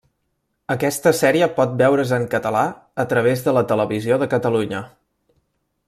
Aquesta sèrie pot veure's en català a través de la Televisió de Catalunya.